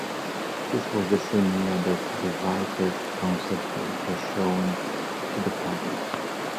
This was the same year that the Viper concept was shown to the public.